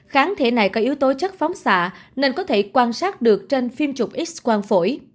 kháng thể này có yếu tố chất phóng xạ nên có thể quan sát được trên phim trục x quang phổi